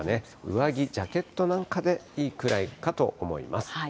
上着、ジャケットなんかでいいくらいかと思います。